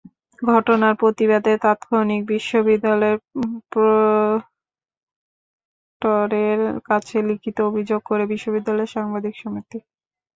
ঘটনার প্রতিবাদে তাৎক্ষণিক বিশ্ববিদ্যালয়ের প্রক্টরের কাছে লিখিত অভিযোগ করে বিশ্ববিদ্যালয় সাংবাদিক সমিতি।